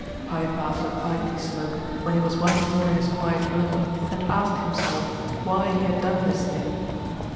Pipe after pipe he smoked when he was once more in his quiet room and asked himself why he had done this thing.